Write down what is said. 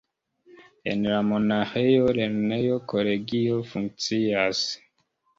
En la monaĥejo lernejo-kolegio funkcias.